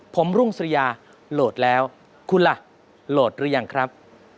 ผมรุ่งสุริยาโหลดแล้วคุณล่ะโหลดหรือยังครับ